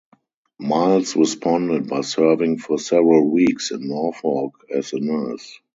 Miles responded by serving for several weeks in Norfolk as a nurse.